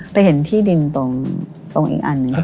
แต่เห็นที่ดินตรงอีกอันหนึ่ง